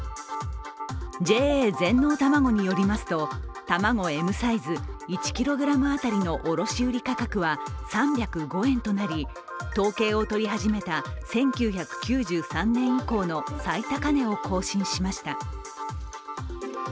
ＪＡ全農たまごによりますと、卵Ｍサイズ１ｋｇ当たりの卸売価格は３０５円となり統計を取り始めた１９９３年以降の最高値を更新しました。